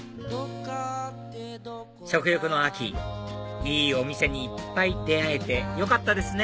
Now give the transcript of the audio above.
食欲の秋いいお店にいっぱい出会えてよかったですね